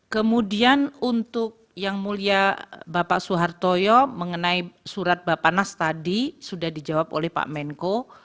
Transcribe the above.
kemudian untuk yang mulia bapak soehartoyo mengenai surat bapak nas tadi sudah dijawab oleh pak menko